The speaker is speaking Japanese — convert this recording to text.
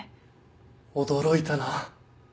驚いたな。